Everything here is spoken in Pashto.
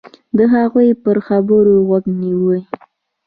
د هغوی پر خبرو غوږ نیوی.